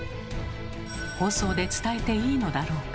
放送で伝えていいのだろうか。